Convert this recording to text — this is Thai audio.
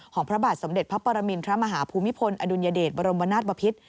ของพระบาทสมเด็จพระปรมินทรมาฮภูมิพลอดุญเดชบรมวนาสปภิษฐ์